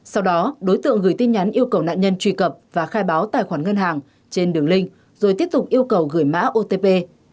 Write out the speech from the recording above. sau đó đối tượng gửi tin nhắn yêu cầu nạn nhân truy cập và khai báo tài khoản ngân hàng trên đường link rồi tiếp tục yêu cầu gửi mã otp